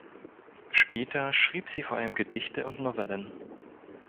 Später schrieb sie vor allem Gedichte und Novellen.